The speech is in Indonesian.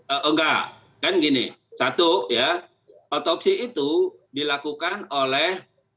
enggak kan gini satu ya otopsi itu dilakukan oleh